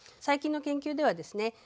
最近の研究ではですね